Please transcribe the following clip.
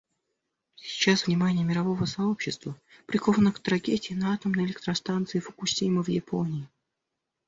Сейчас внимание мирового сообщества приковано к трагедии на атомной электростанции Фукусима в Японии.